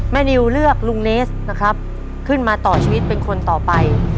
นิวเลือกลุงเนสนะครับขึ้นมาต่อชีวิตเป็นคนต่อไป